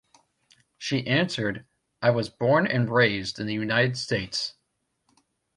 She answered, I was born and raised in the United States.